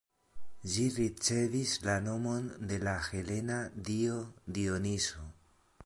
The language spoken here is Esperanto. Ĝi ricevis la nomon de la helena dio Dionizo.